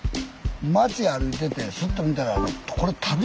町歩いててスッと見たらこれ足袋。